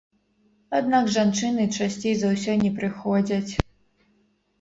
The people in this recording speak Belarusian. Аднак жанчыны часцей за ўсё не прыходзяць.